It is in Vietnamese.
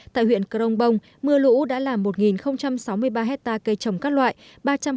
tại huyện crong bông mưa lũ đã làm một sáu mươi ba hectare cây trồng các loại